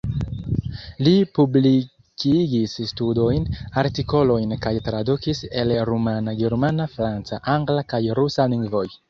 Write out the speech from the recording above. Li publikigis studojn, artikolojn kaj tradukis el rumana, germana, franca, angla kaj rusa lingvoj.